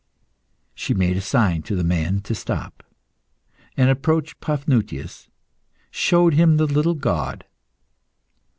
She made a sign to the man to stop, and approaching Paphnutius, showed him the little god.